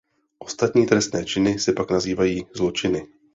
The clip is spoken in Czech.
Ostatní trestné činy se pak nazývají zločiny.